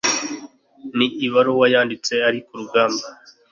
Ni ibaruwa yanditse ari kurugamba